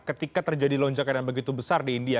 ketika terjadi lonjakan yang begitu besar di india